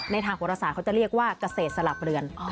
ในทางภาษาเขาจะเรียกว่าเกษตรสลับเรือน